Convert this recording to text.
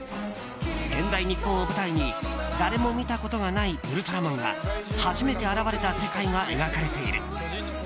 現代日本を舞台に誰も見たことがないウルトラマンが初めて現れた世界が描かれている。